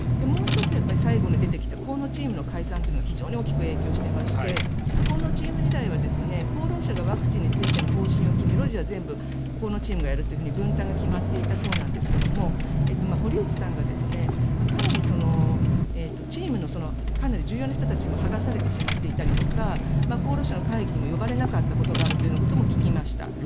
もう１つ、最後に出てきた河野チームの解散というのは非常に多く出てきていまして河野チーム自体は厚労省、ワクチンについての方針を決めろロジは全部河野チームがやるというふうに分担が決まっていたそうなんですが堀内さんがかなりチームの重要な人たちに剥がされてしまっていたりとか厚労省の会議にも呼ばれなかったことがあったとも聞きました。